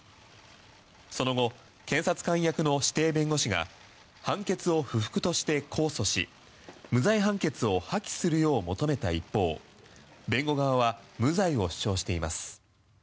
その後、検察官役の指定弁護士が判決を不服として控訴し無罪判決を破棄するよう求めた一方弁護側は無罪を主張しています。